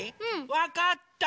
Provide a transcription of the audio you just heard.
わかった！